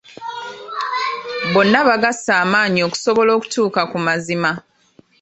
Bonna bagasse amaanyi okusobola okutuuka ku mazima.